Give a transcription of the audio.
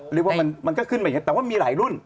เรียกว่ามันก็ขึ้นมาอย่างนี้แต่ว่ามีหลายรุ่น